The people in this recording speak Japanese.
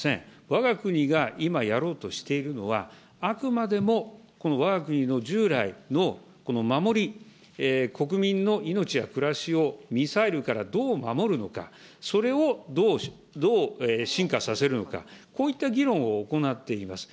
わが国が今やろうとしているのは、あくまでも、このわが国の従来のこの守り、国民の命や暮らしをミサイルからどう守るのか、それをどう深化させるのか、こういった議論を行っています。